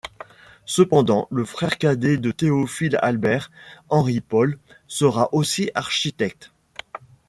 Cependant, le frère cadet de Théophile-Albert, Henri Paul, sera aussi architecte.